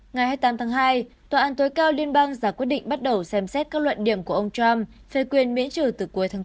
ngày hai mươi tám tháng hai tòa án tối cao liên bang giả quyết định bắt đầu xem xét các luận điểm của ông trump phê quyền miễn trừ từ cuối tháng bốn